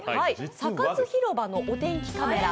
サカス広場のお天気カメラ